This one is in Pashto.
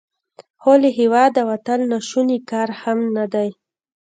خو له هیواده وتل ناشوني کار هم نه دی.